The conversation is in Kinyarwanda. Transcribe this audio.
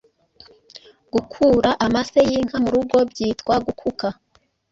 Gukura amase y’inka mu rugo byitwa Gukuka